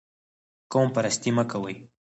قوم پرستي مه کوئ